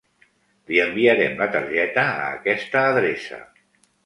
Li enviarem la targeta a aquesta adreça.